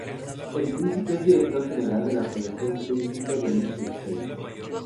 El príncipe es Director General de la Fundación Príncipe de Liechtenstein.